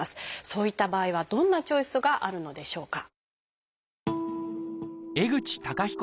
そういった場合はどんなチョイスがあるのでしょうか？